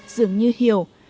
dường như hiểu